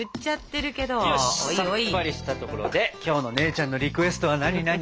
よしさっぱりしたところで今日の姉ちゃんのリクエストはなになに？